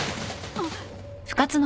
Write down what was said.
あっ！